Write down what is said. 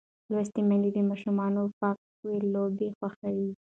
لوستې میندې د ماشوم پاکې لوبې خوښوي.